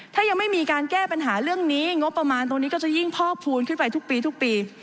ถ้ายังไม่มีการแก้ปัญหาเรื่องนี้งบประมาณตรงนี้ก็จะยิ่งพอกพูนขึ้นไปทุกปีทุกปี